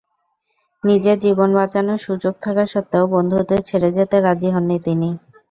নিজের জীবন বাঁচানোর সুযোগ থাকা সত্ত্বেও বন্ধুদের ছেড়ে যেতে রাজি হননি তিনি।